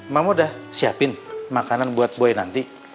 mama udah siapin makanan buat buaya nanti